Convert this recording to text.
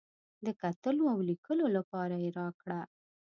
د کتلو او لیکلو لپاره یې راکړه.